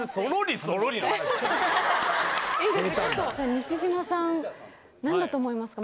西島さん何だと思いますか？